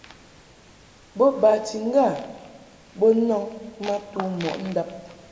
Bo bati ŋga to nɔŋ ma tu mɔʼ ndab.